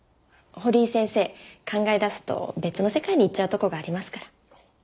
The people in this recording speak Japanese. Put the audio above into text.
堀井先生考え出すと別の世界に行っちゃうとこがありますから。